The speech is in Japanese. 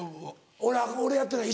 俺やってない